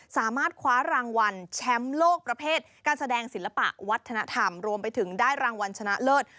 สามารถคว้ารางวัลแชมป์โลกประเภทการแสดงศิลปะวัฒนธรรมรวมไปถึงได้รางวัลชนะเลิศ